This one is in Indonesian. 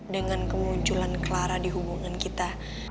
dengan kemunculan clara di hubungan kita